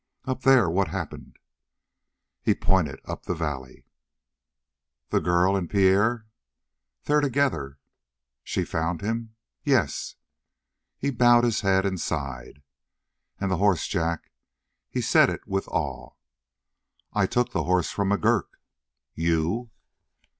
"Up there? What happened?" He pointed up the valley. "The girl and Pierre. They're together." "She found him?" "Yes." He bowed his head and sighed. "And the horse, Jack?" He said it with awe. "I took the horse from McGurk." "You!"